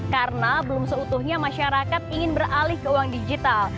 karena belum seutuhnya masyarakat ingin beralih ke uang digital